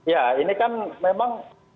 ya ini kan memang